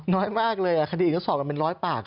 น้อยมากเลยคดีอื่นก็สอบกันเป็น๑๐๐ภาค